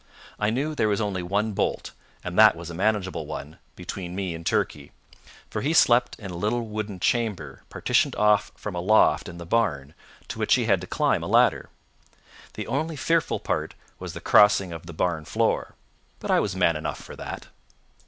I knew there was only one bolt, and that a manageable one, between me and Turkey, for he slept in a little wooden chamber partitioned off from a loft in the barn, to which he had to climb a ladder. The only fearful part was the crossing of the barn floor. But I was man enough for that.